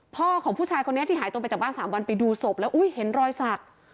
ของผู้ชายคนนี้ที่หายตัวไปจากบ้าน๓วันไปดูศพแล้วอุ้ยเห็นรอยสัก